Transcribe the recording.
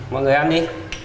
mọi người ăn đi